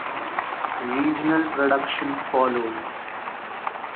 Regional productions followed.